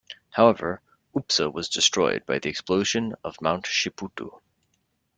However, Upsa was destroyed by the explosion of Mount Shiputu.